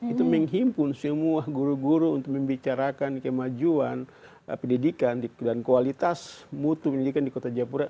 itu menghimpun semua guru guru untuk membicarakan kemajuan pendidikan dan kualitas mutu pendidikan di kota jayapura